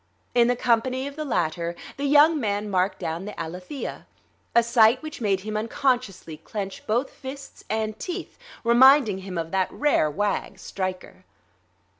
In the company of the latter the young man marked down the Alethea; a sight which made him unconsciously clench both fists and teeth, reminding him of that rare wag, Stryker....